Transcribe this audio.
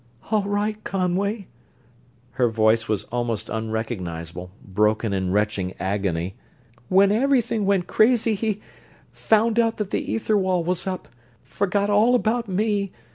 "All right, Conway." Her voice was almost unrecognizable, broken in retching agony. "When everything went crazy he ... found out that the ether wall was up ... forgot all about me.